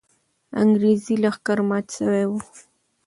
انګریزي لښکر مات سوی وو.